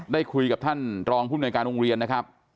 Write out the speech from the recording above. ได้คุยกับท่านรองภูมิหน่วยการโรงเรียนนะครับ